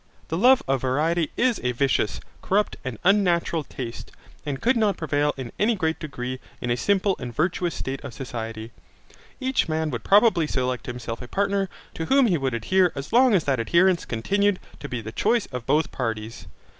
The love of variety is a vicious, corrupt, and unnatural taste and could not prevail in any great degree in a simple and virtuous state of society. Each man would probably select himself a partner, to whom he would adhere as long as that adherence continued to be the choice of both parties.